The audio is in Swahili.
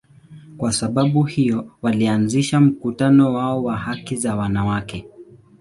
Kwa sababu hiyo, walianzisha mkutano wao wa haki za wanawake.